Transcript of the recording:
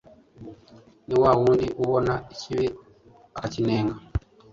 ni wa wundi ubona ikibi akakinenga